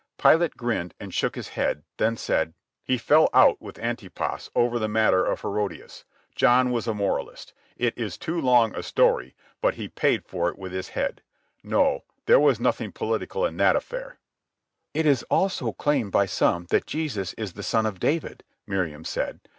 Pilate grinned and shook his head, then said: "He fell out with Antipas over the matter of Herodias. John was a moralist. It is too long a story, but he paid for it with his head. No, there was nothing political in that affair." "It is also claimed by some that Jesus is the Son of David," Miriam said.